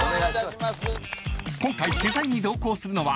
［今回取材に同行するのは］